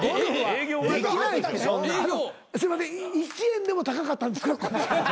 １円でも高かったんですか？